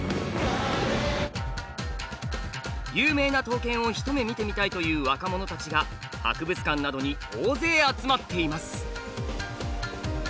有名な刀剣を一目見てみたいという若者たちが博物館などに大勢集まっています。